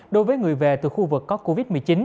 đối với người về từ khu vực có covid một mươi chín